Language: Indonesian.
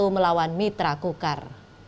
tiga satu melawan mitra kukar